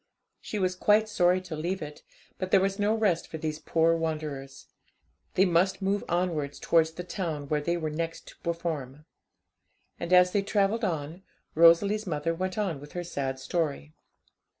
She was quite sorry to leave it, but there was no rest for these poor wanderers; they must move onwards towards the town where they were next to perform. And as they travelled on, Rosalie's mother went on with her sad story.